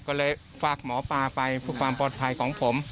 ก็เลยฝากหมอปลาไปเพื่อความปลอดภัยของผม